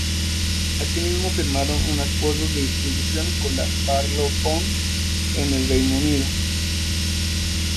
Asimismo firmaron un acuerdo de distribución con la Parlophone en el Reino Unido.